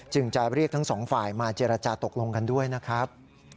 จะเรียกทั้งสองฝ่ายมาเจรจาตกลงกันด้วยนะครับ